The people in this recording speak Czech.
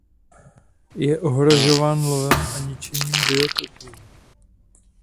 Je ohrožován lovem a ničením biotopů.